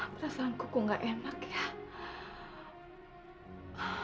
perasaanku kok gak enak ya